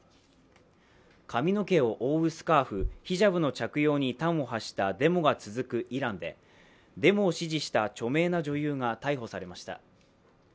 髪の毛を覆うスカーフ、ヒジャブの着用に端を発したデモが続くイランでデモを支持した著名な女優が逮捕されました。